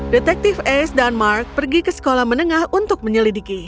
detektif ace dan mark pergi ke sekolah menengah untuk menyelidiki